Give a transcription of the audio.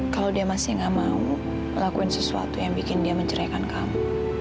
kalau dia masih gak mau lakuin sesuatu yang bikin dia menceraikan kamu